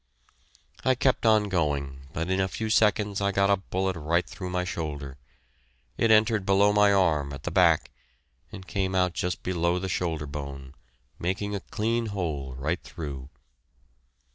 I kept on going, but in a few seconds I got a bullet right through my shoulder. It entered below my arm at the back, and came out just below the shoulder bone, making a clean hole right through.